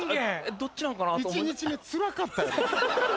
どっちなんかな？と。